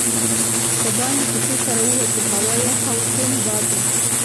دباندې کوڅې ته راووتو، هوا یخه او توند باد و.